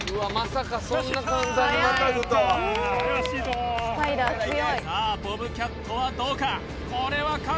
さあボブキャットはどうか？